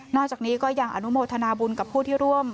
จากนี้ก็ยังอนุโมทนาบุญกับผู้ที่ร่วม